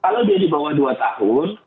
kalau dia di bawah dua tahun